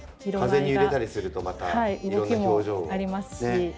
風に揺れたりするとまたいろんな表情をね。